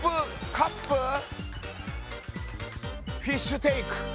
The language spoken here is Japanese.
フィッシュテーク。